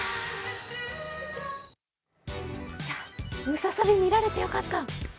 ムササビ見られてよかった。